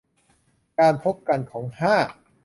การพบกันของ ห้า